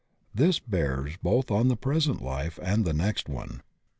This bears both on the present life and the next one.